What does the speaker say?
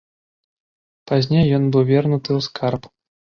Пазней ён быў вернуты ў скарб.